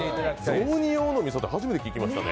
雑煮用のみそって初めて聞きました。